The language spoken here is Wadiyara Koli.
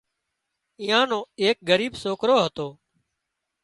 ايئا نو ايڪ ڳريٻ سوڪرو سي